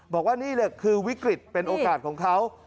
บอกว่านี่แหละคือวิกฤตเป็นโอกาสของเขา